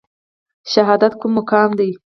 شهادت کوم مقام دی؟